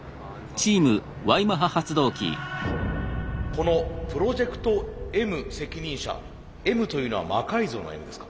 この「プロジェクトＭ責任者」「Ｍ」というのは「魔改造」の「Ｍ」ですか？